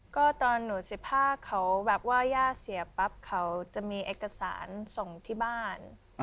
ก็ตอนหนู๑๕เขาแบบว่าย่าเสียปั๊บเขาจะมีเอกสารส่งที่บ้าน